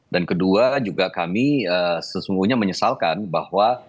dan kedua juga kami sesungguhnya menyesalkan bahwa